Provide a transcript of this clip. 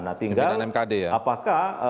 nah tinggal apakah